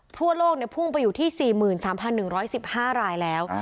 ทั่วโลกพุ่งไปอยู่ที่๔๓๑๑๕รายแล้ว